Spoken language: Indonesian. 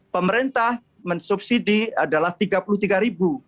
pemerintah subsidi adalah rp tiga puluh tiga